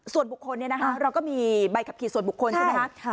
ส่วนบุคคลเนี่ยนะคะเราก็มีใบขับขี่ส่วนบุคคลใช่ไหม